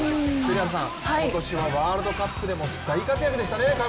今年はワールドカップでも大活躍でしたね。